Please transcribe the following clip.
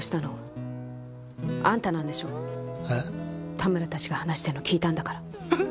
田村たちが話してるの聞いたんだから。